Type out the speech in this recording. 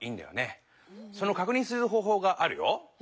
そのかくにんする方ほうがあるよ。